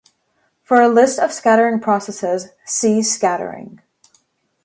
For a list of scattering processes, see Scattering.